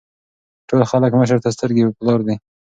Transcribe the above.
ټول خلک مشر ته سترګې پۀ لار دي ـ